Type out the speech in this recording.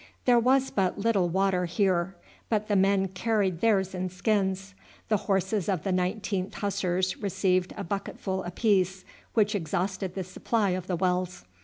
There was but little water here, but the men carried theirs in skins. The horses of the 19th Hussars received a bucketful apiece, which exhausted the supply of the wells.